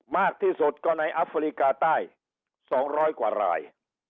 มากที่สุดก็ในอัฟริกาใต้๒๐๐กว่าราย